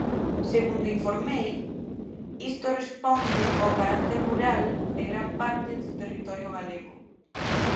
Segundo o informe, isto responde ao carácter rural de gran parte do territorio galego.